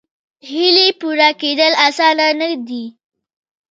هیلې پوره کېدل اسانه نه دي.